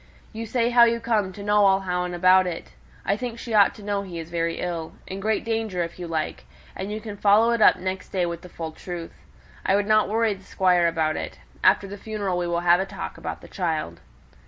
You say how you come to know all you do about it; I think she ought to know he is very ill in great danger, if you like: and you can follow it up next day with the full truth. I wouldn't worry the Squire about it. After the funeral we will have a talk about the child."